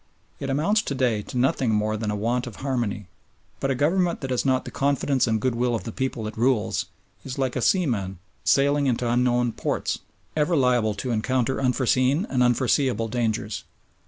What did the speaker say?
It amounts to day to nothing more than a want of harmony, but a Government that has not the confidence and goodwill of the people it rules is like a seaman sailing into unknown ports, ever liable to encounter unforeseen and unforeseeable dangers.